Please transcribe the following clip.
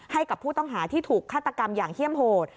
ให้กับผู้ต้องหาที่ถูกฆาตกรรมอย่างเฮี่ยมโหด